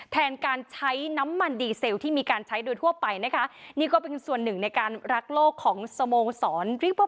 แทนการใช้น้ำมันดีเซลที่มีการใช้โดยทั่วไปนะคะนี่ก็เป็นส่วนหนึ่งในการรักโลกของสโมสร